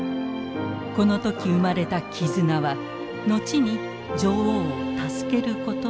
この時生まれた絆は後に女王を助けることになる。